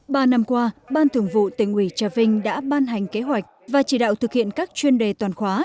ba năm qua ban thường vụ tỉnh ủy trà vinh đã ban hành kế hoạch và chỉ đạo thực hiện các chuyên đề toàn khóa